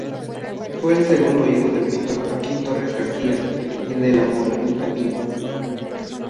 Fue el segundo hijo del pintor Joaquín Torres García y de Manolita Piña.